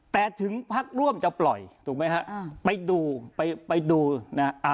แตะถึงพักร่วมจะปล่อยฮะไปดูนะฮะ